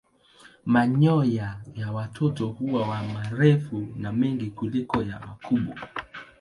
Manyoya ya watoto huwa marefu na mengi kuliko ya wakubwa.